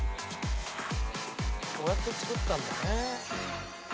こうやって作ったんだね。